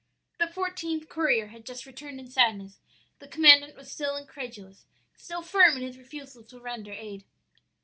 "The fourteenth courier had just returned in sadness; the commandant was still incredulous; still firm in his refusal to render aid.